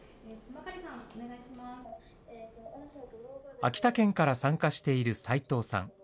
秋田県から参加している齋藤さん。